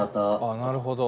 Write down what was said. あなるほど。